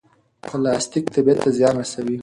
پلاستیک طبیعت ته زیان رسوي.